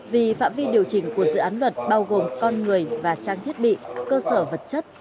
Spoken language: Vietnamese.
vì phạm vi điều chỉnh của dự án luật bao gồm con người và trang thiết bị cơ sở vật chất